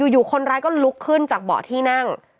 อยู่คนร้ายก็ลุกขึ้นจากเบาะที่นั่ง